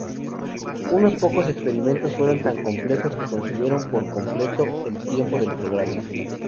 Unos pocos experimentos fueron tan complejos que consumieron por completo el tiempo del programa.